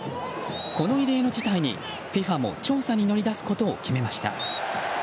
この異例の事態にＦＩＦＡも調査に乗り出すことを決めました。